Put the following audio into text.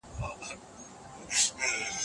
هغه له غرمې وروسته زنګ وهلی شي.